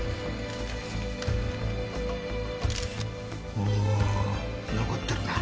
おお残ってるな。